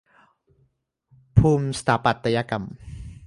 ภูมิสถาปัตยกรรม